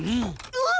うわっ！